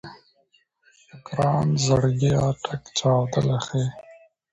د ګران زړګيه ټک چاودلی ښه يې